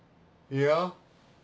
いや。